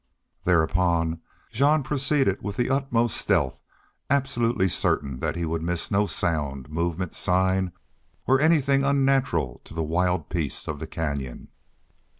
Thereupon Jean proceeded with the utmost stealth, absolutely certain that he would miss no sound, movement, sign, or anything unnatural to the wild peace of the canyon.